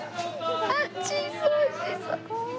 あっチーズ美味しそう！